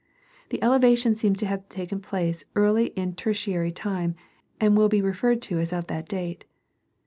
The elevation seems to have taken place early in Tertiary time, and will be referred to as of that date.